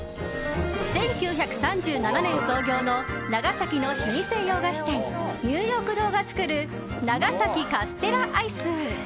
１９３７年創業の長崎の老舗洋菓子店ニューヨーク堂が作る長崎カステラアイス。